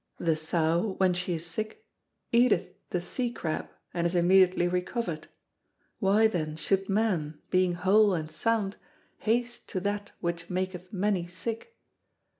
The sow, when she is sick, eateth the sea crab and is immediately recovered: why, then, should man, being whole and sound, haste to that which maketh many sick?